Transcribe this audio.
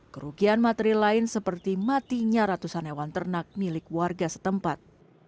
kerugian materi lain seperti matinya ratusan hewan ternak milik warga setempat